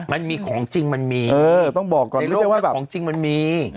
มันมีของจริงมันมีในโลกมันของจริงมันมี